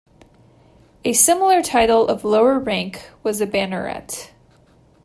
A similar title of lower rank was banneret.